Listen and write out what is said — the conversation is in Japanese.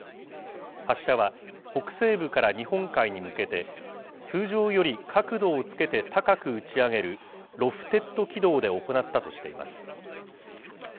発射は北西部から日本海に向けて、通常より角度をつけて高く打ち上げるロフテッド軌道で行ったとしています。